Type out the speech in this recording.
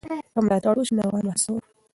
که ملاتړ وشي، ناروغان به هڅه وکړي.